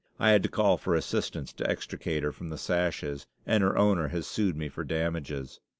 I had to call for assistance to extricate her from the sashes, and her owner has sued me for damages.